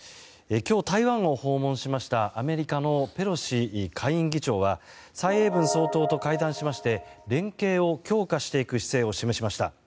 今日、台湾を訪問しましたアメリカのペロシ下院議長は蔡英文総統と会談しまして連携を強化していく姿勢を示しました。